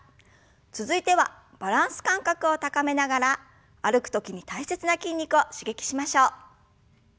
続いてはバランス感覚を高めながら歩く時に大切な筋肉を刺激しましょう。